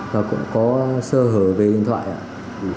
và cũng có sơ hở về điện thoại